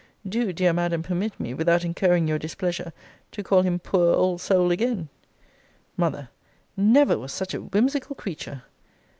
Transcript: Do, dear Madam, permit me, without incurring your displeasure, to call him poor old soul again. M. Never was such a whimsical creature!